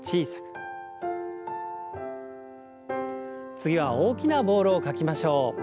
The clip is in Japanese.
次は大きなボールを描きましょう。